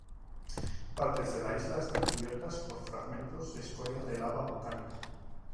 Partes de la isla están cubiertas por fragmentos de escoria de lava volcánica.